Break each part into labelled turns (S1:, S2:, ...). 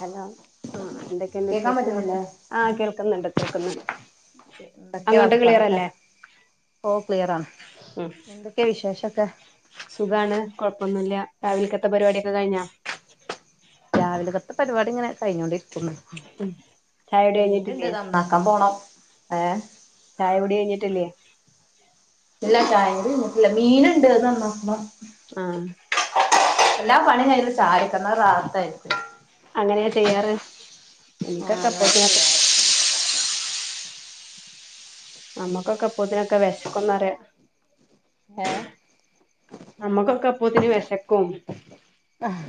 S1: Hello ആ എന്തൊക്കെയുണ്ട്
S2: കേക്കാൻ പറ്റുന്നില്ലേ
S1: വിശേഷങ്ങളൊക്കെ ആ കേൾക്കുന്നുണ്ട് കേൾക്കുന്നുണ്ട്
S2: എന്തൊക്കെ
S1: അങ്ങോട്ട്
S2: വർത്താനൊക്കെ
S1: ക്ലിയറല്ലേ
S2: ഓ ക്ലിയറാണ്
S1: ഉം
S2: എന്തൊക്കെയാ വിശേഷൊക്കെ
S1: സുഖാണ് കൊ പ്പൊന്നുല്ല രാവിൽക്കത്തെ പരിപാടിയൊക്കെ കഴിഞ്ഞോ
S2: രാവിലെക്കത്തെ പരിപാടി ങ്ങനെ കഴിഞ്ഞോണ്ടിരി ക്കുന്നു
S1: ഉം ചായുടി
S2: മീൻ ഇണ്ട്
S1: കഴിഞ്ഞിട്ടില്ലേ
S2: നന്നാക്കാൻ പോണം ഏഹ്
S1: ചായ കുടി കഴിഞ്ഞിട്ടില്ലേ?
S2: ഇല്ല ചായുടി കഴിഞ്ഞിട്ടില്ല മീനുണ്ട് അത് നന്നാക്കണം.
S1: ആഹ്
S2: എല്ലാ പണി കയിഞ്ഞിട്ട് [unintelligible]
S1: അങ്ങനെയാ ചെയ്യാറ്? എനിക്കൊക്കെ അപ്പത്തിനാത്തൊ നമ്മുക്കൊക്ക അപ്പോത്തിനെക്കെ വെശ ക്കൊന്നറയ.
S2: ഏ
S1: നമ്മക്കൊക്ക പ്പൊത്തിന് വെശ
S2: അഹ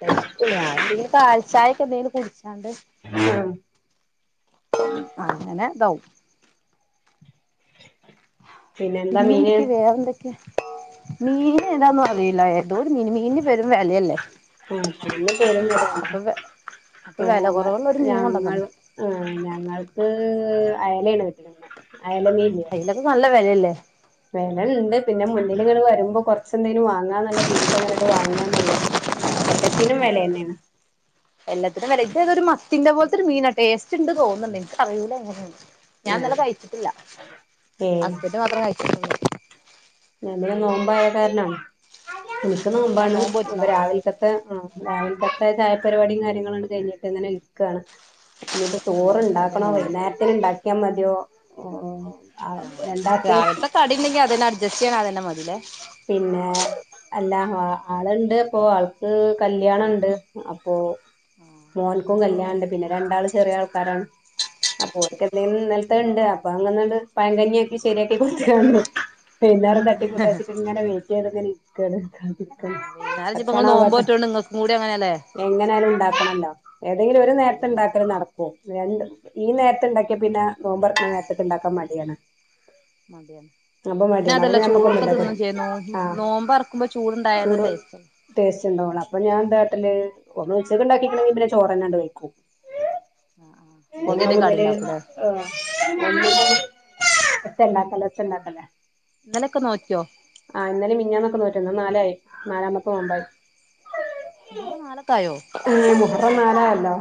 S2: ബെസ്റ്റ് ഞാനെന്തെങ്കിലും പാൽ ചായെക്കെ എന്തേലും കുടിച്ച്
S1: ഉം
S2: [unintelligible] അങ്ങനെ ഇതായ്
S1: പിന്നെന്താ മീന്?
S2: മീന് ഏതാന്നൊന്നും അറിയില്ല ഏതോ ഒരു മീൻ. മീനിന് പെരും വെലയല്ലേ.
S1: ആ മീൻന് പെരും വെലേണ്.
S2: അപ്പൊ അപ്പൊ വില
S1: ഞങ്ങ
S2: കുറവുള്ള ഒരു മീൻ
S1: ഞങ്ങൾ
S2: കൊണ്ടന്നണ്
S1: ആ ഞങ്ങൾക്ക് ഏഹ് അയലേണ് കിട്ടിയതിന്ന് അയല മീൻ ല്യേ?
S2: ല്ല വെലല്ലേ?
S1: വെലണ്ട്, പിന്നെ മുന്നിലിങ്ങട് വരുമ്പോ കൊർച്ചെന്തേലും വാങ്ങാന്നുള്ള രീതിക്കങ്ങനൊക്കെ വാങ്ങിയാന്നുള്ളു.
S2: അതെതെ എല്ലത്തിനും വെലേ ഇതേതോരു മത്തിന്റെ പോൽത്തെരു മീനാ ടേസ് റ്റ്ണ്ട് തോന്ന്ണ്ട്. ഇൻക്ക് അറിയൂല എങ്ങനേന്ന്
S1: ആഹ്
S2: ഞാന്നലെ കഴിച്ചിട്ടില്ല. ഹസ്ബൻഡ് മാത്രം കഴിച്ചിട്ട [inaudible]
S1: എന്തിനാ നോമ്പായ കാരണാ ഇനിക്ക്
S2: ആ
S1: നോമ്പാണ്
S2: നോമ്പ് നോറ്റ്ണോ
S1: ഇപ്പൊ രാവിൽക്കത്തെ ഉം രാവ് ക്കത്തെ ചായപരിപാ ടിം കാര്യങ്ങളാണ്ട് കഴിഞ്ഞിട്ട് ഇങ്ങനെ ഇരിക്കാണ്. ഇനിപ്പ
S2: ഉം
S1: ടൂറ്
S2: അതെ
S1: ണ്ടാക്കണോ
S2: നോമ്പ്
S1: വൈന്നേരത്തിന്ണ്ടാ ക്ക്യാ മതിയോ
S2: ആഹ് രാവിൽത്തെ കടി ഇണ്ടെങ്കി അതെന്നട് ജസ്യനാതന്നെ മതിലേ
S1: അല്ലാ ഹാ ആള്ണ്ട് അപ്പൊ ആൾക്ക് കല്ല്യാണണ്ട്. അപ്പൊ, മോൻക്കും
S2: അങ്ങനെല്ലേ
S1: കല്യാൺണ്ട് പിന്നെ രണ്ടാള് ചെറിയ ആൾ ക്കാരാണ് അപ്പൊ ഓര്ക്ക്ന്തെങ്കിലും ഇന്നലത്തത്ണ്ട് അപ്പൊ അ അ ങ്ങന്നണ്ട് പയങ്കഞ്ഞിയാക്കി ശരിയാക്കി കൊടുത്ത്ക്കാണ്ട്, വെയ്ന്നാരം തട്ടിക്കൂട്ടാച്ച്ട്ട് ഇങ്ങനെ വെയ്റ്റ് ചെയത് ങ്ങനെ ഇര് ക [unintelligible]
S2: ആഹ് വൈകുന്നേരം ഇഞ്ഞിപ്പോ
S1: വെക്കണ
S2: ഇങ്ങള്
S1: വേക്കണ്ടെ
S2: നോമ്പോറ്റോണ്ട് ഇങ്ങക്കും കൂടി അങ്ങനെയല്ലേ
S1: എങ്ങനാലും ഉണ്ടാക്കണല്ലോ ഏതെങ്കിലും ഒരു
S2: അതെ
S1: നേരത്തെ ഇണ്ടാക്കല്
S2: ഉണ്ടാക്കണം
S1: നടക്കും രണ്ട് ഈ നേരത്തെ ഇണ്ടാക്കിയ പിന്നെ നോമ്പറക്കണ നേരത്തേണ്ടാക്കാൻ മടി യാണ്
S2: മന്തിയാണ്
S1: അപ്പം മാറ്റിണ് അവിടെ നമ്മുക്കൊന്നു അ
S2: നോമ്പ് അറക്കുമ്പോ ചൂടുണ്ടായാല
S1: ചൂട്
S2: ടേസ്റ്റ്
S1: ടേസ്റ്റ് ഇണ്ടാവും അപ്പം ഞാൻ എന്താട്ടല്ല് ഒ ച്ചക്കൊണ്ടാക്കിക്കണേ പിന്നെ ചോറാണ്ട് കയ്ക്കും
S2: ആഹ് ആഹ് ഇല്ലെങ്കി എന്തേ കടി
S1: ഒന്നുമുതല്ല്
S2: ഉണ്ടാക്കൂലേ
S1: ങ് ഒന്ന് മുതല് ണ്ടാക്കല്ലെ ഒച്ചണ്ടാക്കല്ലെ
S2: ഇന്നലൊക്കെ നോറ്റിയോ
S1: ഇന്നല്ലെ മിഞ്ഞാന്നും ഒക്കെ നോറ്റുണ്ടോ ഇന്ന് നാലായ് നാലാമത്തെ നോമ്പായി
S2: മുഹറം നാലൊ
S1: ഇന്ന് മുഹറം നാലായല്ലോ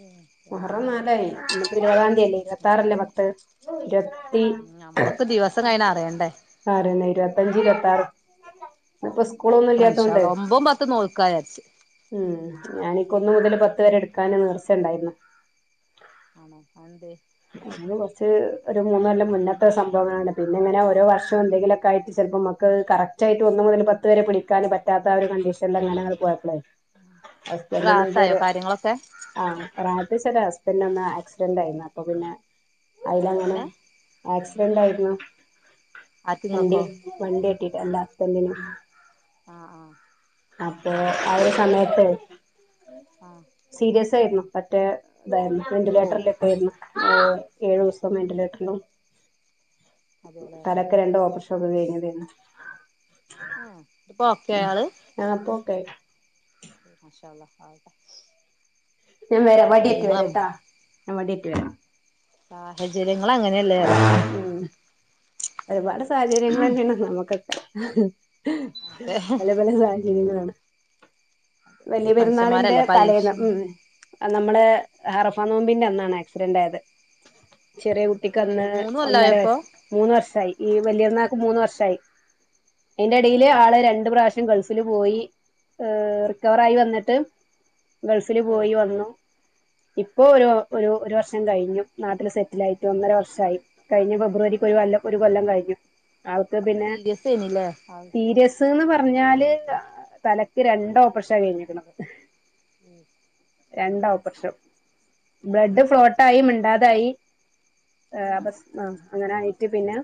S2: ഏഹ് യാ
S1: മുഹറം
S2: റബ്ബേ
S1: നാലായി ഇന്നിപ്പം ഇരുപതാന്തിയായില്ലെ ഇരുപത്താറല്ലെ പത്ത് ഇരുപത്തി
S2: ഞമ്മക്ക് ദിവസം കഴിഞ്ഞ അറിയണ്ടേ
S1: ആറെന്നെ ഇരുപത്തഞ്ച് ഇരുപത്താറ് ഇന്നിപ്പം സ്‌കൂളൊന്നും
S2: നോൽക്കണം ഇൻഷാ
S1: ഇല്ലാത്തൊണ്ട്
S2: അള്ളാ ഒമ്പതും പത്തും നോൽക്കാ വിചാരിച്ച്
S1: ഞാനിക്കൊന്നും മുതല് പത്തു വരെ എടുക്കാന് നേർച്ച ഉണ്ടായിന്നു
S2: [inaudible]
S1: അത് കുറച്ച് ഒര് മൂന്ന് കൊല്ലത്തെ മുമ്പത്തെ സംഭവാണ് പിന്നെങ്ങനെ ഓരോ വർഷവും എന്തെങ്കിലും ആയിട്ട് മ്ക്ക് അത് കററ്റ് ആയിട്ട് ഒന്നു മുതല്ല് പത്ത് വരെ പിടിക്കാന് പറ്റാത്ത ഒരു കണ്ടിഷന് അങ്ങനെ ആട്ട് പോയപ്പളെ
S2: റാഹത്തായോ
S1: [unintelligible]
S2: കാര്യങ്ങളൊക്കെ
S1: ആ ന്താച്ചാല് ഹസ്ബൻ്റ് ഒന്നു ആക്സിഡൻ്റ് ആയി അപ്പോ പിന്നെ അയിലങ്ങനെ
S2: എങ്ങനെ
S1: ആസ് വേണ്ടായിരുന്നു
S2: ആർക്ക്
S1: വണ്ടി
S2: ഇങ്ങക്കോ
S1: വണ്ടി തട്ടിട്ടല്ലെ ഹസ്ബൻ്റന്
S2: ആ ആ
S1: അപ്പം ആ ഒര് സമയത്ത്
S2: അ
S1: സീരിയസ് ആയിരുന്നു പറ്റെ വെൻ്റിലേറ്ററിൽ ഒക്കെ യായിരുന്നു ആ ഏഴു ദിവസം വെന്റിലേറ്ററിലും
S2: അതേല്ലേ
S1: തലക്ക് രണ്ടു ഓപ്പറേഷൻ അത് കഴിഞ്ഞതേന്നു
S2: ആഹ് ഇപ്പോ ഓക്കയാള്
S1: ആ അപ്പൊ തെ
S2: നത [inaudible]
S1: ഞാൻ വരാ വടി ആയിട്ട് വരാട്ടാ ഞാൻ വടിയായിട്ട് വരാം
S2: സാഹജര്യം
S1: ആ ഒരുപാട് സാഹചര്യങ്ങൾ തന്നെയാണ് നമുക്ക് ങ് ഹ്
S2: അതെ
S1: പലെ പലെ സാഹചര്യ യുന്നതാണ് വലിയ പെരുന്നാളിന്റെ
S2: മനുഷ്യന്മാരല്ലേ
S1: തലേന്ന്
S2: പരീക്ഷണം
S1: ഉം നമ്മളേ ഹറഫ നോമ്പിന്റെ അന്നാണ് ആക്സിഡൻ്റ് ആയത് ചെറിയ കുട്ടി ഓൻക്ക് അന്ന്
S2: മൂന്ന്
S1: ഒന്നര
S2: കൊല്ലായോ ഇപ്പൊ
S1: വയസ് മൂന്ന് വർഷായി ഈ വലിയ എന്നേക്ക് മൂന്ന് വർഷായി അയ്ന്റെ ഇടയില്
S2: ഏഹ്
S1: ആള് രണ്ടു പ്രാവശ്യം ഗൾഫിൽ പോയി റിക്കവറായി വന്നിട്ട് ഗൾഫില്
S2: ഓഹ്
S1: പോയി വന്നു ഇപ്പോ ഒരു ഒരു വർഷം കഴിഞ്ഞു നാട്ടില് സെറ്റിൽ ആയി ഒന്നര വർഷായി കഴിഞ്ഞ
S2: ഓ
S1: ഫെബ്രുവരിക്ക് ഒരു
S2: ഓ
S1: വല്ല ഒരു കൊല്ലം കഴിഞ്ഞു. അവിടത്തെ
S2: അപ്പൊ
S1: പിന്നെ
S2: സീരിയസ് ആയിനില്ലേ ആൾക്ക്
S1: സീരിയസ്ന്ന് പറ പറഞ്ഞാല് തലക്ക് രണ്ട് ഓപ്പറേഷൻ കഴിഞ്ഞിരിക്കണത്.
S2: ഉം [inaudible]
S1: രണ്ട് ഓപ്പറേഷൻ. ബ്ലഡ് ഫ്ലോട്ടായി അതായി അപസ്മ ആഹ അങ്ങനെ ആയിട്ട് പിന്നെ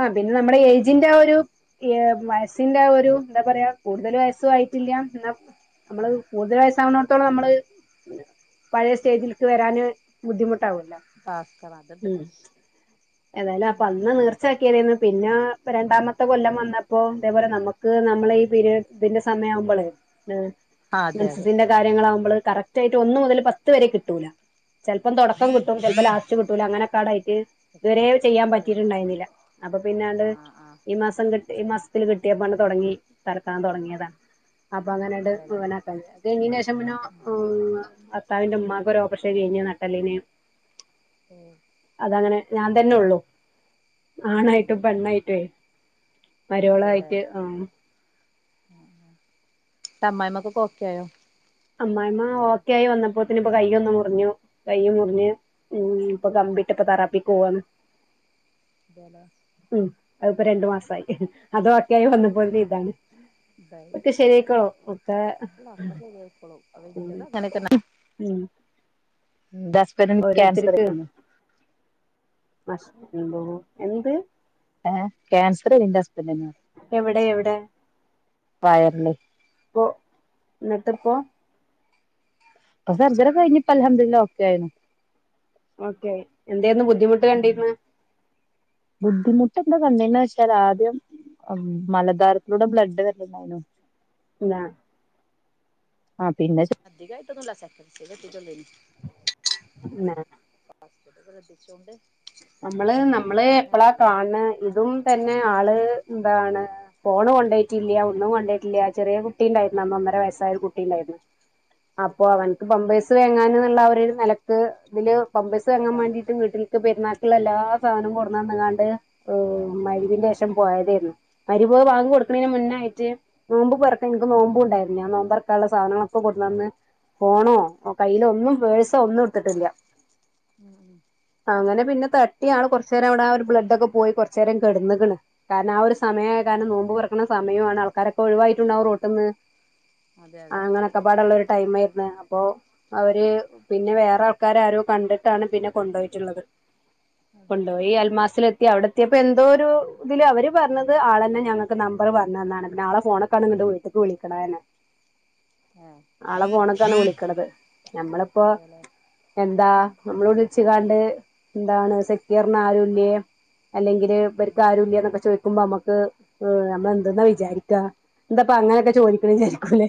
S1: ആ പിന്നെ
S2: ആഹ്
S1: നമ്മുടെ ഏജിന്റെ ആ ഒരു ഈർ വയസ്സിന്റെ ഒരു എന്താ പറയാ കൂടുതൽ വയസ്സും ആയിട്ടില്ല. എന്ന നമ്മള്ത്
S2: ആഹ്
S1: കൂടുതൽ വയസ്സാവുന്ന ത്തോളളം നമ്മള് പഴയ സ്റ്റേജിൽക്ക് വരാന് ബുദ്ധിമുട്ട ട്ടാവൊലോ
S2: ഭാസ്കർ അതുണ്ട്
S1: ഉം ഏതായാലും അപ്പൊ
S2: ഉം അത്
S1: അന്ന്
S2: ശരിയാ
S1: നീർച്ചയാക്കിയതെന്ന് പിന്നെ ഇപ്പ രണ്ടാമത്തെ കൊല്ലം വന്നപ്പോ അതേപോലെ നമുക്ക് നമ്മള ഈ പീരയഡ്സ്ന്റെ സമയയാവുമ്പോള് [inaudible]
S2: ആഹ് അതെ അതെ
S1: മൻസസിന്റെ കാര്യങ്ങളകുമ്പള് കറക്റ്റ് ആയിട്ട് ഒന്നു മുതൽ പത്ത് വരെ കിട്ടൂല ചിലപ്പം തുടക്കം കിട്ടും ചിലപ്പോ ലാസ്റ്റ്- കിട്ടൂല അങ്ങനെ കേടായിട്ട് ഇത് വരെ ചെയ്യാൻ
S2: അതെ അതെ
S1: പറ്റിട്ടുണ്ടായിരുന്നില്ല അപ്പൊ പിന്നാണ്ട്
S2: ആഹ് ആഹ്
S1: ഈ മാസം കിട്ട് ഈ മാസം- ത്തിൽ കിട്ടിയ പണി തൊടങ്ങി തറക്കാൻ തുടങ്ങിയതാണ് അപ്പൊ അങ്ങനെയാട്ട്
S2: അതെല്ലേ
S1: മുഴുവനക്കാ അത് കഴിഞ്ഞീനു ശേഷം പിന്നോ
S2: ഉം
S1: ഹെ ഭർത്താവിന്റെ ഉമ്മാക്കൊരു ഓപ്പറേഷൻ കഴിഞ്ഞു നട്ടെല്ലിന്
S2: മ്
S1: അതാ അങ്ങനെ ഞാൻ തന്നെ ഉള്ളു
S2: ഉം
S1: ആണായിട്ടും പെണ്ണായിട്ടും.
S2: അതെല്ലേ
S1: മരോളയിട്ട്
S2: എന്നിട്ട്
S1: ആ.
S2: ന്നിട്ട് അമ്മായിമ്മാക് ഒക്കെ ഓക്കെ ആയോ?
S1: അമ്മായിമ്മ ഓക്കെയി വന്നപ്പോത്തിന് ഇപ്പ കയ്യ് ഒന്ന് മുറിഞ്ഞു കൈ മുറിഞ്ഞ് ഇപ്പൊ കമ്പിട്ട് ഇപ്പ തെറാപ്പിക്ക് പോവാന്ന്.
S2: [unintelligible]
S1: അത്പ്പോ രണ്ടു മാസായി അതോക്കായി വന്നപ്പോ ഇതാണ്
S2: ഇതായി
S1: ഒക്കെ ശരിയായിക്കോളും.
S2: ഇല്ല ഒക്കെ
S1: [unintelligible] ഉം
S2: [unintelligible] എന്റഹസ്ബൻറ്റിന്
S1: ഓരോരുത്തർക്ക്
S2: കൻസറേനു.
S1: [unintelligible] എന്ത്
S2: ഏ ക്യാൻസർയെന്നു എന്റ് ഹസ്ബൻ
S1: എവിടെ എവിടെ?
S2: വയർല്.
S1: ഓം, എന്നിട്ട്പ്പോ.
S2: പ്പ സർജറി ഒക്കെകഴിഞ്ഞ് ഇപ്പൊ അൽഹമ്ദുലില്ല ഒക്കെ ആയിനു.
S1: ഓക്കെയി എന്ധെനു ബുദ്ധി ബുദ്ധിമുട്ട് കണ്ടിന്ന്?
S2: ബുദ്ധിമുട്ട് എന്താ കണ്ടിനു വച്ചാൽ ആദ്യം മലദോരത്തിലൂടെ ബ്ലഡ് വരണ്ടായിരുന്നു.
S1: ആ.
S2: ആ പിന്നെ [unintelligible] ച്ച് അധികയിട്ടില്ല സക്കന്റ് സ്റ്റേജ് എത്തീട്ടൊളളേനു.
S1: എന്നെ.
S2: ഫസ്റ്റില് ശ്രദ്ധിച്ചോണ്ട്
S1: നമ്മള് നമ്മള്
S2: അതന്നെ
S1: എപ്പളാ
S2: ജീവിതം
S1: കാണ് ഇതും തന്നെ ആള് എന്താണ്, ഫോണ് കൊണ്ടോയിട്ടില്ല ഒന്നും കൊണ്ടോട്ടില്ല ചെറിയ കുട്ടിണ്ടായിരുന്നു അന്ന് ഒന്നര വയസ്സായരു കുട്ടിണ്ടായിരുന്നു. അപ്പൊ
S2: ഓ
S1: അവൻക്ക് പമ്പയ്സ് വേങ്ങാൻന്നുള്ള ഒര് നലക്ക് തില് പമ്പസ് വാങ്ങാൻ
S2: പോയതാണ്
S1: വേണ്ടീട്ട് വീട്ടിൽക്ക് പെര്ന്നാക് ള്ളഎല്ലാ സാനം കൊട്ന്നന്ന്കാണ്ട് മഹ്രിബിന്റെ ശേഷം പോയതേരുന്നു. മരി രിബ് ബാങ്ക്
S2: ഏ
S1: കൊട്ക്ക്ണേന്റെ മുന്നായിട്ട് നോമ്പ് പൊറക്കാൻ ൻക്ക് നോമ്പു ണ്ടായിരുന്നു. ഞാൻ നോമ്പ്റക്കാള്ള സാധനങ്ങളൊക്കെ കൊടുന്ന് തന്ന് ഫോണോ കയ്യിലോ ഒന്നും പേഴ്സോ ഒന്നും എടുത്തിട്ടില്ല.
S2: ഉം.
S1: അങ്ങനെ പിന്നെ തട്ടിയാണ് കുറച്ച്നേരം അവിടെ ആ ഒരു ബ്ലഡ് ഒക്കെ പോയി കുറച്ച് നേരം കിടന്ന്, ക്ണ്കാരണം ആ ഒരു സമമായകാരണം
S2: അതെല്ലേ
S1: നോമ്പ് പറക്ക്ണ സ സമയാണ്ആൾക്കാരെക്കെ ഒഴിവായിട്ടുണ്ടാവും റോട്ട്ന്ന്,
S2: അതെ അതെ
S1: അങ്ങനൊക്കെ പാടെള്ളൊരു ടൈം ആയിരുന്നു. അപ്പൊ അവര് പിന്നെ വേറെ ആൾക്കാര ആരോ കണ്ടിട്ടാണ് പിന്നെ കൊണ്ടോയിട്ടുള്ളത്.
S2: അതെല്ലേ
S1: ഈ അൽമാസിലെ അവിടെ ത്തിഅവിടെത്തി യപ്പംഎന്തോ ഒരു ഇതില് അവര് പറഞ്ഞത് ആളന്നെ ഞങ്ങക്ക് നമ്പർ പറഞ്ഞന്നാണ് പിന്നെ ആളെ ഫോണ്ക്കാണ് ങ്ങട്ട് വീട്ട്ക്ക് വിളിക്ക് ണെ ന്നെ
S2: ആ
S1: ആളെ ഫോണ്ക്കാണ് വിളിക്കണത് നഞമ്മളിപ്പോ
S2: അതെല്ലേ
S1: എന്താ നമ്മൾ വിളിച്ച് കാണ്ട് എന്താണ് സെക്കീറ് ന് ആരുല്യേ അല്ലെങ്കില്
S2: ആ
S1: ഇവർക്ക് ആരു ല്ലേ ന്നെക്കെ ചോ നമ്മക്ക് നമ്മളെന്തെന്നാ വിചാരിക്കാ എന്താപ്പോ അങ്ങനെയൊക്കെ
S2: അതെ അതെ.
S1: ചോദിക്ക്ണേ വിചാരിക്കുംല്ലേ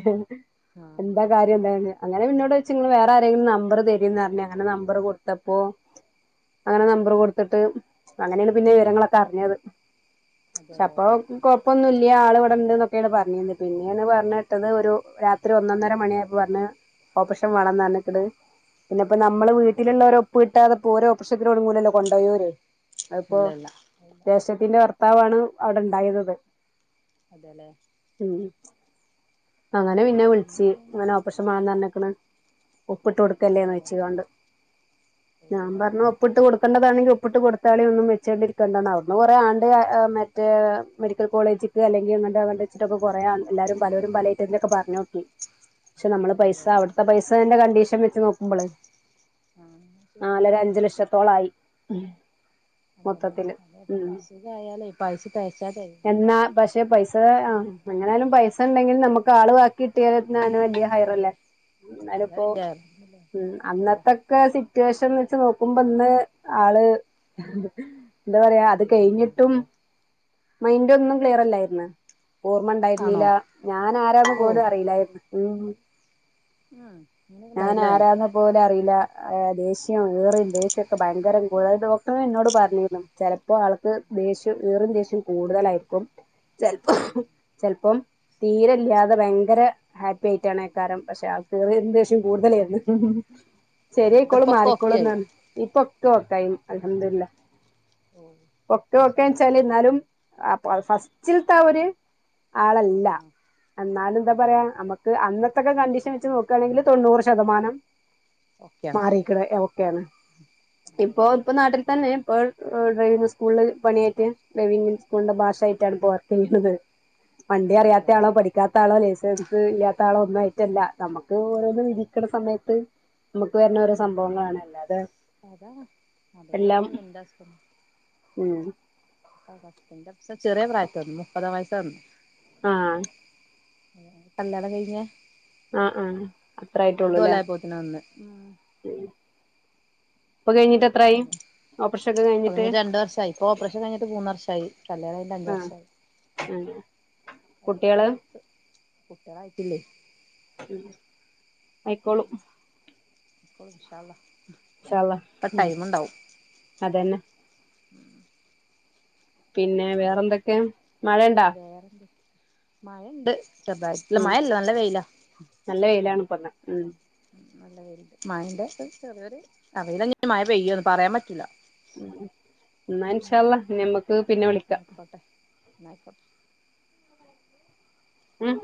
S2: ആ
S1: എന്താ
S2: സത്യം
S1: കാര്യം എന്ത അങ്ങനെ പി ന്നോട് ഇച്ച് ങ്ങ ള് വേറെ ആരെങ്കിലും നമ്പർ ത രീ ന്നറഞ്ഞ് അങ്ങനെ നമ്പർ കൊടുത്തപ്പോ അങ്ങനെ
S2: ആ
S1: നമ്പർ കൊടുത്തിട്ട്- അങ്ങനെയാണ് പിന്നെ വിവരങ്ങളൊക്കെ അറിഞ്ഞത് പക്ഷ
S2: അതെല്ലേ
S1: പ്പോകൊഴപ്പൊന്നുല്ല ഈആൾ ഇവടെണ്ട് ന്നെക്കെയാണ് പറഞ്ഞിന്ന് പിന്നെണ് പറഞ്ഞേട്ടത് ഒരു രാത്രി ഒന്നൊന്നര മണി ആയ പ്പോ പറഞ്ഞഞ് ഓപ്പറേഷൻ വാണ്ണംന്ന് റഞ്ഞ് പിന്നെ
S2: ആ
S1: പ്പോനമ്മള്
S2: ആ
S1: വീട്ടിലുള്ളൊരെ ഒപ്പ് കി കിട്ടാതെ ഓര് ഓപ്പറഷത്തിന് ഒര് ങ്ങു ലല്ലോകൊണ്ടോ യോര്
S2: ഇല്ല
S1: അപ്പം
S2: ഇല്ല
S1: ജ്യേഷ്ഠത്തിന്റെ ഭർത്താവാണ് അവിടെ ണ്ടായിരുന്നത്‌
S2: അതല്ലേ
S1: [inaudible] അങ്ങനെ പിന്നെ
S2: അങ്ങനെയൊക്കെ
S1: വിളിച്ച്ങ്ങനെ ഓപ്പറേഷൻ വേണം എന്നാ പറഞ്ഞേക്കണേ ഒപ്പിട്ട് കൊടുക്കല്ലേന്ന്
S2: അതെല്ലേ
S1: വെച്ചുകണ്ട്
S2: ഓ ഓ
S1: ഒന്ന് ഒപ്പിട്ട് കൊടുക്കേതാണെങ്കിൽ ഒപ്പിട്ട് കൊടുത്താലളെയ ഒന്നും വെച്ചേണ്ടിരിക്കണ്ടാണ് അവിന്ന് കുറെ ആണ്ട് മറ്റേ മെഡിക്കൽ കോളേജിലക്ക് അല്ലെങ്കിൽ എന്നണ്ട് അവവിണ്ട വെച്ചിക്കെ കുറേ ആ എല്ലാവും പലരും പല റ്റത്തിലൊക്കെ പറഞ്ഞും പക്ഷെ നമ്മള് പൈസ
S2: അതെല്ലേ
S1: അവിടത്തെ പൈസേന്റെ കണ്ടീഷൻ നോക്കുമ്പോള്
S2: ആഹ [unintelligible]
S1: നാലര അഞ്ച് ലക്ഷം തോളായി
S2: അതല്ലെ അ അസുഖയാലേ പൈസ തയ്ച്ചാ തരുല്ല
S1: എന്നാ പക്ഷെ പൈസ ആ എങ്ങനൊയാലും പൈസ ഉണ്ടെങ്കിൽ നമുക്ക് ആൾ ബാക്കി കിട്ടിയാലും വലിയ
S2: അതെ
S1: ഹയറല്ലേ എന്നാല് ഇപ്പോ
S2: അതാല്ലേ
S1: ഉ
S2: ശരിയാ
S1: അന്നത്തൊക്കെ സി ശേഷം വെച്ച് നോക്കുമ്പോ ഇന്ന് ആള് എന്താ പറയാ അത്
S2: അൽഹംദുലില്ലാ
S1: കഴിഞ്ഞിട്ടും
S2: അല്ലേ
S1: മൈൻഡ് ഒന്നും ക്ലിയർ അല്ലായിരുന്ന് ഓർമ്മ
S2: ആണോ
S1: ഉണ്ടായിരുന്നീല ഞാൻ ആരന്ന
S2: ഓ
S1: പോലും അറിയില്ലായിരുന്നു ഉം
S2: ഉം
S1: ഞാൻ
S2: അങ്ങനെണ്ടായില്ലേ
S1: ആരാന്ന് പോലു അറീല അ ദേഷ്യം ഈറിം ദേഷ്യാെക്കെ ഭയങ്കരം കൂ ഡോക്ടറന്നെന്നോട് പറഞ്ഞീന്നു ചെലപ്പോ ആൾക്ക് ദേഷ്യം ഈറിം ദേഷ്യം കൂടുതലായിരിക്കും ചെൽപ്പോ ചെൽപ്പം തീരെല്ല്യാതെ ഭയങ്കര ഹാപ്പി ആയിട്ടാണെക്കാരം പക്ഷെ ആൾക്ക് വെടെ ദേശ്യം കൂടുതലായിര്ന്ന് സെരി
S2: എന്നിട്ട്
S1: കോളും
S2: ഇപ്പൊക്കെ ഓക്കെ
S1: മാറിക്കോളും
S2: ആയി
S1: എന്ന് ഇപ്പോക്കെ കൈഞ്ഞ് അൽഹംദുലില്ല
S2: ഓ
S1: ഒക്കെ
S2: മാഷാ അള്ളാ
S1: ഒക്കെച്ചാല്
S2: ആവട്ടെ
S1: ന്നാലും അ പ ഫസ്റ്റ്ൽത്തെ ആ ഒര്
S2: ആ
S1: ആളല്ല
S2: ആ
S1: എന്നാലും എന്താ
S2: അതെ
S1: പറയാ
S2: അതെ
S1: നമുക്ക് അന്നത്തൊക്കെ കണ്ടീഷൻ വെച്ച് നോ യാണെങ്കില് തൊണ്ണൂറ് ശതമാനം
S2: ഓക്കെയാണ്
S1: മാറീക്ക്ണ് ഓക്കെയാണ്
S2: അതെ
S1: ഇപ്പൊ
S2: അതെല്ലേ
S1: ഇപ്പൊ നാട്ടിൽ തന്നെ ഇപ്പോ ഡ്രൈവിങ് സ്കൂളില് പണിയായിട്ട് ഡ്രൈവിംഗ് സ്കൂളിന്റെ മാഷായിട്ടാണ് ഇപ്പോ വർക്കെയ്യ്ണന്നത് വണ്ടി അറിയാത്ത
S2: അതെല്ലേ
S1: ആളോ പഠിക്കാത്ത ആളോ ലൈസൻസ് ഇല്ലാത്ത ആളോ ഒന്നായി റ്റല്ല നമുക്ക് ഓരോന്ന് വിദിക്ക്ണ സമയത്ത് മ
S2: ഉം അതാ
S1: എല്ലാം
S2: അതേപോലെന്നെന്റെ ഹസ്ബൻഡും
S1: ഉം
S2: പ ചെറിയ പ്രായത്ത് മുപ്പതാം വയസ്സാന്ന്
S1: ആ
S2: കല്യാണം കഴിഞ്ഞ
S1: ആ ആ അത്രായിട്ടാെള്ളുലേ
S2: കൊല്ലായപ്പോത്തിന് വന്ന് ഉം
S1: ഉം
S2: അത്
S1: ഓപ്പറേഷൻ ഒക്കെ
S2: കഴിഞ്ഞിട്ട് രണ്ട് വർഷായി ഇപ്പൊ ഓപ്പറേഷൻ കഴിഞ്ഞിട്ട് മൂന്ന് വർഷായി കല്യാണം കഴിഞ്ഞിട്ട് അഞ്ച് വർഷായി
S1: ഉം
S2: അതന്നെ ലൈഫ് കുട്ട്യളായിട്ട്ല്ലേ
S1: ആയ്ക്കോളും
S2: ഇൻശാ അള്ളാ
S1: ഇൻശാ ള്ളാ
S2: ഒക്കെ
S1: ഉം
S2: ടൈം
S1: അതെന്നെ
S2: ഉം
S1: പിന്നെ വേറെന്തൊക്കെ മഴയുണ്ടാ
S2: വേറെണ്ട് മഴണ്ട് [unintelligible]
S1: ഉം
S2: മഴ ഇല്ല നല്ല വെയില
S1: നല്ല വെയിലാണ് ഇപ്പന്ന് ഉം
S2: മായന്റെ ചെറിയൊരു അതു കഴിഞ്ഞ്മയ പെയ്യോന്ന് പറയാൻ പറ്റൂില്ല
S1: എന്നാ ഇൻ ശാള്ളാഞമ്മക്ക് പിന്നെ വിളിക്കാം
S2: നായിക്കോ
S1: ഉം